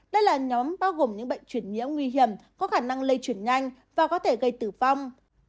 đây là nhóm bao gồm những bệnh chuyển nhiễm nguy hiểm có khả năng lây chuyển nhanh và có thể gây tử vong